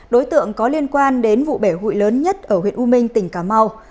đối tượng có liên quan đến vụ bể hụi lớn nhất ở huyện u minh tỉnh cà mau